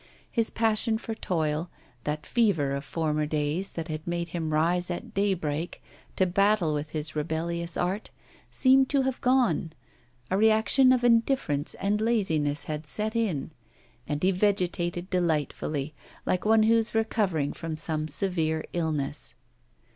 His passion for toil, that fever of former days that had made him rise at daybreak to battle with his rebellious art, seemed to have gone; a reaction of indifference and laziness had set in, and he vegetated delightfully, like one who is recovering from some severe illness.